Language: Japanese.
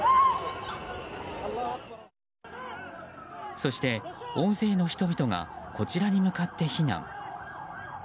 そして、大勢の人々はこちらに向かって避難。